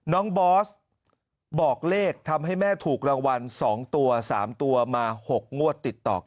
บอสบอกเลขทำให้แม่ถูกรางวัล๒ตัว๓ตัวมา๖งวดติดต่อกัน